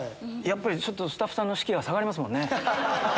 スタッフさんの士気が下がりますもんね。